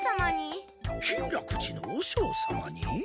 金楽寺の和尚様に？